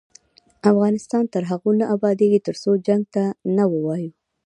افغانستان تر هغو نه ابادیږي، ترڅو جنګ ته نه ووایو.